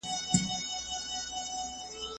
هغه په صنف کي درس وایه.